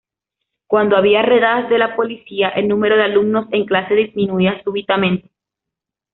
Cuando había redadas de la policía el número de alumnos en clase disminuía súbitamente.